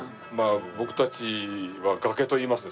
僕たちは「崖」と言いますね